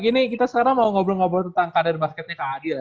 gini kita sekarang mau ngobrol ngobrol tentang karir basketnya kak adi lah